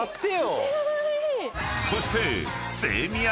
［そして］